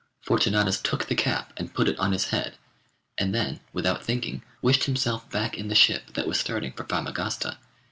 Fortunatus took the cap and put it on his head, and then, without thinking, wished himself back in the ship that was starting for Famagosta.